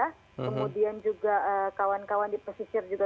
kemudian juga kawan kawan di pesisir juga